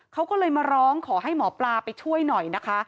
เขาก็เลยมาร้องขอให้หมอปลาไปช่วยหน่อยนะคะ